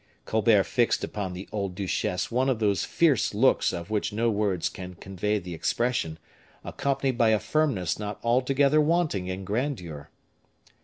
Colbert fixed upon the old duchesse one of those fierce looks of which no words can convey the expression, accompanied by a firmness not altogether wanting in grandeur.